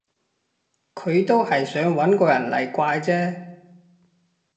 佢都係想搵個人嚟怪啫